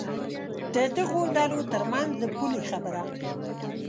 د دغو ډلو تر منځ د پولې خبره.